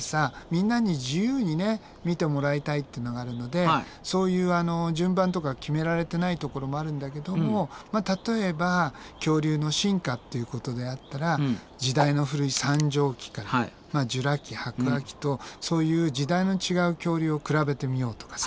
みんなに自由にね見てもらいたいってのがあるのでそういうあの順番とか決められてないところもあるんだけども例えば恐竜の進化っていうことであったら時代の古い三畳紀からジュラ紀白亜紀とそういう時代の違う恐竜を比べてみようとかさ。